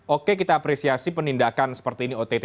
oke kita apresiasi penindakan seperti ini ott